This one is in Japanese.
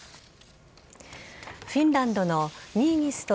フィンランドのニーニスト